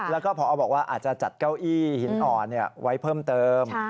แล้วก็พอบอกว่าอาจจะจัดเก้าอี้หินอ่อนไว้เพิ่มเติม